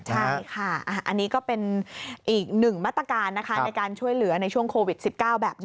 ใช่ค่ะอันนี้ก็เป็นอีกหนึ่งมาตรการนะคะในการช่วยเหลือในช่วงโควิด๑๙แบบนี้